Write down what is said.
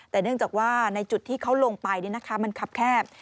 แต่เนื่องจากว่าในจุดที่เขาลงไปมันขับแคบ